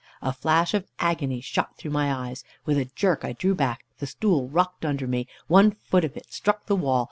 A flash of agony shot through my eyes. With a jerk I drew back, the stool rocked under me, one foot of it struck the wall.